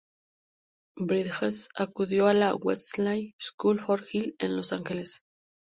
Bridget acudió a la "Westlake School for Girls" en Los Ángeles.